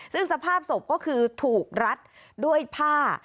ซึ่งสภาพศพก็คือถูกรัดด้วยผ้า